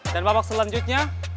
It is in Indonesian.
dan babak selanjutnya